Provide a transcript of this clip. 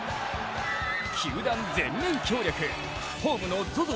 球団全面協力、ホームのＺＯＺＯ